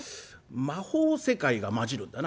魔法世界が交じるんだな」。